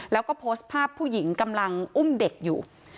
แล้วก็โพสต์ภาพผู้หญิงกำลังอุ้มเด็กอยู่